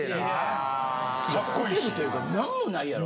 ホテルというか何もないやろ？